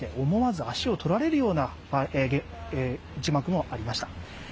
思わず足を取られる一幕もありました。